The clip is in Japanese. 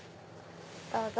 どうぞ。